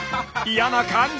嫌な感じ！